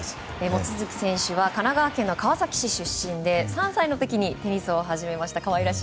望月選手は神奈川県川崎市出身で３歳の時にテニスを始めました。